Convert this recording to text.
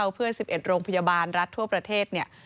เพื่อน๑๑โรงพยาบาลรัฐทั่วประเทศเนี่ย